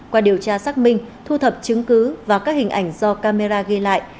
qua điều tra xác minh thu thập chứng cứ và các hình ảnh do camera ghi lại